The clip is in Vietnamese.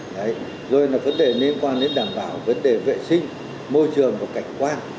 đấy rồi là vấn đề liên quan đến đảm bảo vấn đề vệ sinh môi trường và cảnh quan